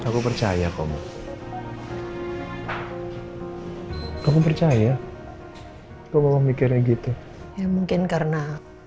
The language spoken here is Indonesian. kalau memang abi orangnya baik ya